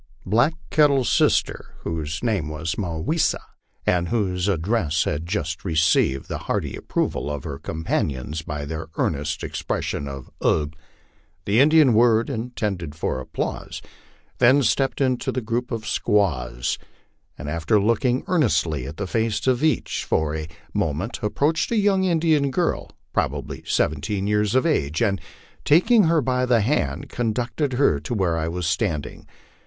Black Kettle's sister, whose name was Mah wis sa, and whose address had just received the hearty approval of her companions by their earnest ex pression of "Ugh!" the Indian word intended for applause, then stepped into the group of squaws, and after looking earnestly at the face of each for a mo ment, approached a young Indian girl probably seventeen years of age and taking her by the hand conducted her to where I was standing.